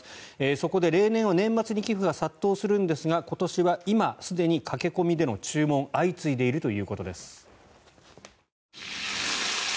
そこで例年は年末に寄付が殺到するんですが今年は今、すでに駆け込みでの注文が相次いでいるということです。